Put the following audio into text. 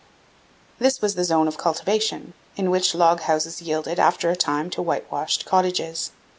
This was the zone of cultivation, in which log houses yielded, after a time, to white washed cottages.